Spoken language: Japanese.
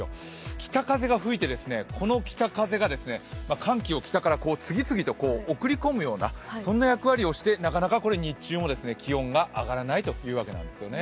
北風が吹いて、この北風が寒気を北から次々と送り込むような役割をしてなかなか日中も気温が上がらないというわけなんですね。